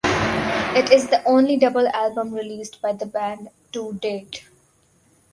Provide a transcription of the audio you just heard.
It is the only double album released by the band to date.